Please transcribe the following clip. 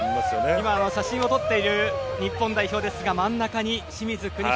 今、写真を撮っている日本代表ですが真ん中に清水邦広